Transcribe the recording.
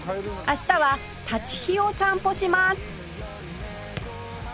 明日は立飛を散歩します